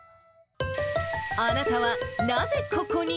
あなたはなぜ、ここに？